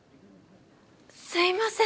すいません！